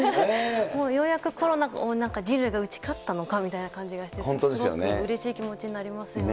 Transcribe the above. ようやくコロナに人類は打ち勝ったのかみたいな感じがして、すごくうれしい気持ちになりますよね。